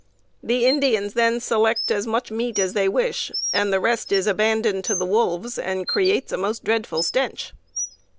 The Indians then select as much meat as they wish, and the rest is abandoned to the wolves, and creates a most dreadful stench."